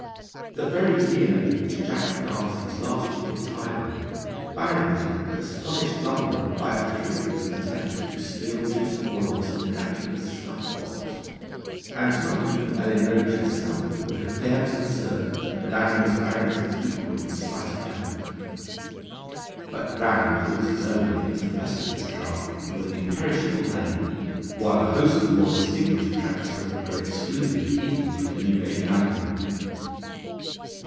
The very year in which Jack danced his last jig at Tyburn, Barrington had astonished London by a fruitless attempt to steal Prince Orloff's miraculous snuff box. And not even Ellen Roach herself would have dared to assert that Rann was Barrington's equal in sleight of hand. But Rann holds his own against the best of his craft, with an imperishable name, while a host of more distinguished cracksmen are excluded even from the Newgate Calendar.